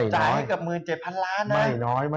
จ่ายกับ๑๗พันล้านนะ